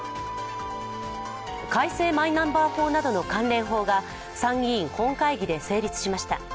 改正マイナンバー法などの関連法が参議院本会議で成立しました。